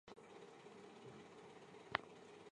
伽罗瓦连接不唯一的确定自闭包算子。